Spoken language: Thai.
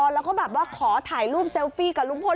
แล้วก็แบบว่าขอถ่ายรูปเซลฟี่กับลุงพล